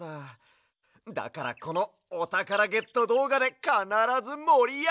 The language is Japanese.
だからこのおたからゲットどうがでかならずもりあげるＹＯ！